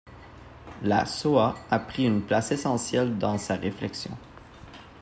La Shoah a pris une place essentielle dans sa réflexion.